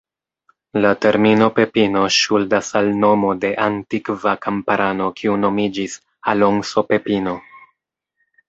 La termino "Pepino" ŝuldas al nomo de antikva kamparano kiu nomiĝis Alonso Pepino.